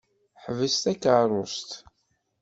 Ḥbes takeṛṛust!